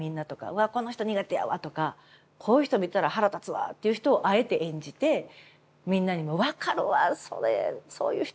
「わあこの人苦手やわ」とか「こういう人見たら腹立つわ」っていう人をあえて演じてみんなにも「分かるわそれそういう人見たら腹立つねん」っていう。